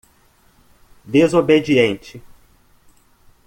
Desobediente